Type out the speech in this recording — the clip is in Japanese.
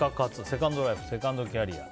セカンドライフセカンドキャリア。